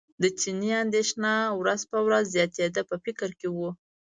د چیني اندېښنه ورځ په ورځ زیاتېده په فکر کې و.